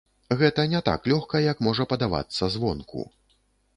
Гэта не так лёгка, як можа падавацца звонку.